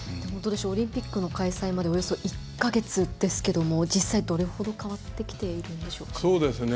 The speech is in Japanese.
オリンピックの開催までおよそ１か月ですけども実際、どれほど変わってきているんでしょうか。